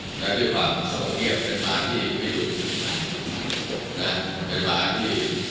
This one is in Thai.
ดินใจก็ว่ามันก็ทำโลกไม่ดี